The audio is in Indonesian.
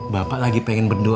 bapak lagi pengen makan di luar